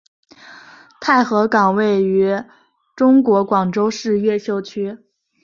太和岗位于中国广州市越秀区。